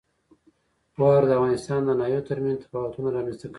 واوره د افغانستان د ناحیو ترمنځ تفاوتونه رامنځ ته کوي.